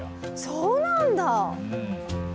そうなんだ！